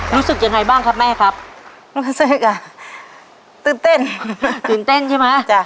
รู้สึกยังไงบ้างครับแม่ครับรู้สึกอ่ะตื่นเต้นตื่นเต้นใช่ไหมจ้ะ